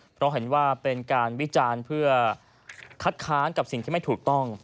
เพราะเห็นว่าเป็นการวิจารณ์เพื่อคัดค้านกับสิ่งที่ไม่ถูกต้อง